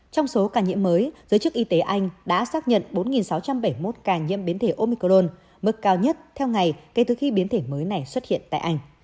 trong số ca nhiễm mới giới chức y tế anh đã xác nhận bốn sáu trăm bảy mươi một ca nhiễm biến thể omicron mức cao nhất theo ngày kể từ khi biến thể mới này xuất hiện tại anh